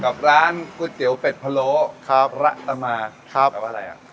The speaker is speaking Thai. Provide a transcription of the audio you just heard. กับร้านก๋วยเตี๋ยวเป็ดพะโลครับระตมาครับแปลว่าอะไรอ่ะ